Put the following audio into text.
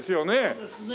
そうですね